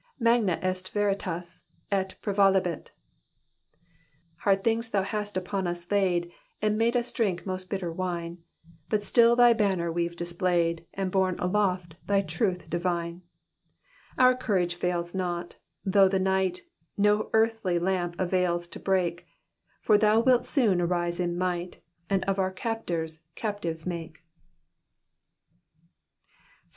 Magna est Veritas et prcBuoalebU, Hards tbincrs thou hast upon ns laid, And made iis drink most bitter wine; But FtlU thy banner we've displayed, And borne aloft thy truth divine. Oar courage fails not, thouerh the night No earthly la nop avails to break. For thou wilt soon nrise in misfht, And of our captors captives make.